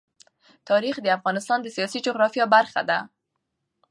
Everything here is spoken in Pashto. تاریخ د افغانستان د سیاسي جغرافیه برخه ده.